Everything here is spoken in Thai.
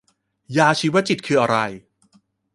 ยาชีวจิตคืออะไร